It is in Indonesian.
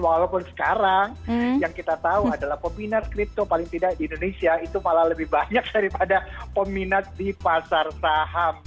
walaupun sekarang yang kita tahu adalah peminat kripto paling tidak di indonesia itu malah lebih banyak daripada peminat di pasar saham